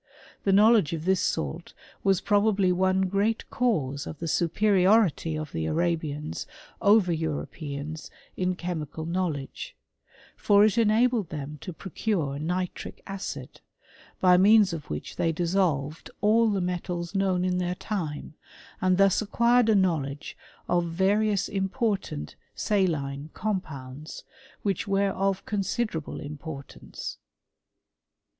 The know ledge of this salt was probably one great cause of the superiority of the Arabians over Europeans in chemical knowledge ; for it enabled them to procure nitric add^ by means of which they dissolved all the metals known in their time, and thus acquired a knowledge of va rious important saline compounds, which were of con siderable importance.